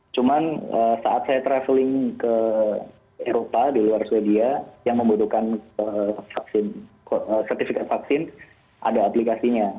cuman saat saya traveling ke eropa di luar sweden yang membutuhkan sertifikat vaksin ada aplikasinya